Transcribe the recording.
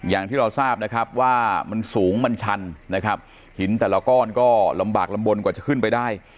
อย่างที่เราทราบนะครับว่ามันสูงมันชันนะครับหินแต่ละก้อนก็ลำบากลำบลกว่าจะขึ้นไปได้